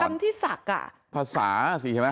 ไอ้คำที่สักอ่ะภาษาสิใช่ไหม